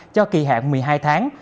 chín năm cho kỳ hạn một mươi hai tháng